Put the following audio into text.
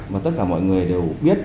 và tất cả mọi người đều biết